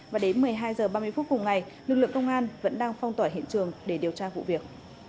và đến một mươi hai h ba mươi phút cùng ngày lực lượng công an vẫn đang phong tỏa hiện trường để điều tra vụ việc